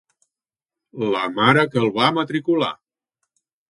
La mare que el va matricular!